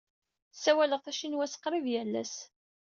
Ssawaleɣ tacinwat qrib yal ass.